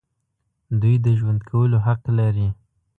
دوی د ژوند کولو حق لري.